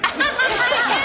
ハハハ。え！？